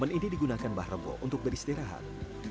momen ini digunakan mbah rebo untuk beristirahat